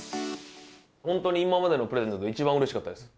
本当に今までのプレゼントで、一番うれしかったです。